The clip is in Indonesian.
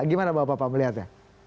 gimana bapak bapak melihatnya